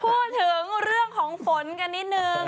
พูดถึงเรื่องของฝนกันนิดนึง